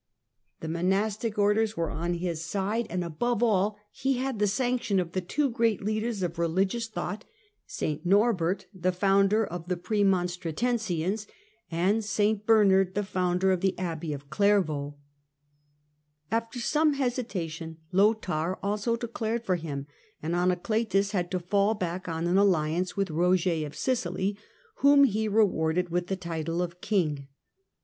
The monastic Orders were 124 THE CENTRAL PERIOD OF THE MIDDLE AGE on his side, and, above all, he had the sanction of the two great leaders of religious thought, St Norbert, the founder of the Premonstratensians, and St Bernard, the founder of the Abbey of Clairvaux (see Chap. VII I.). After some hesitation, Lothair also declared for him, and Anacletus had to fall back on an alliance with Eoger of Sicily, whom he rewarded with the title of King.